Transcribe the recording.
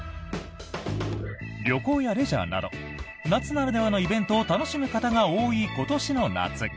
旅行やレジャーなど夏ならではのイベントを楽しむ方が多い今年の夏。